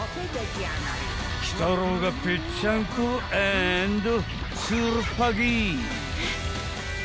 ［鬼太郎がぺっちゃんこアーンドつるっぱげ］